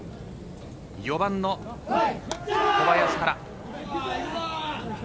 ４番の小林から。